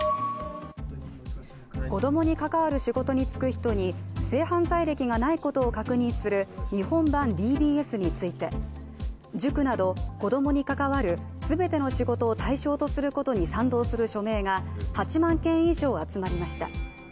子供に関わる仕事に就く人に性犯罪歴がないことを確認する日本版ＤＢＳについて塾など子供に関わる全ての仕事を対象とすることに賛同する署名が、８万件以上集まりました。